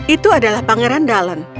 itu adalah pangeran dallon